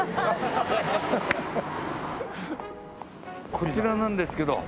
こちらなんですけど。